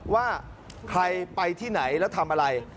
ว่าใครไปที่ไหนแล้วทำอะไร